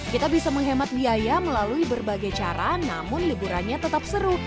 kita bisa menghemat biaya melalui berbagai cara namun liburannya tetap seru